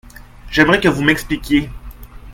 J’aimerais que vous m’expliquiez.